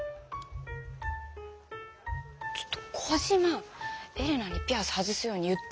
ちょっとコジマエレナにピアス外すように言って！